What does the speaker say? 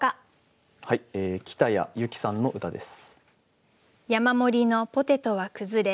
北谷雪さんの歌です。